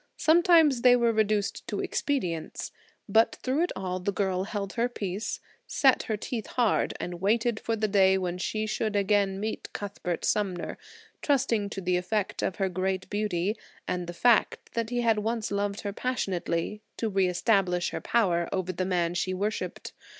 Sometimes they were reduced to expedients. But through it all the girl held her peace, set her teeth hard, and waited for the day when she should again meet Cuthbert Sumner, trusting to the effect of her great beauty, and the fact that he had once loved her passionately, to re establish her power over the man she worshipped.